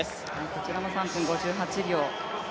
こちらも３分５８秒。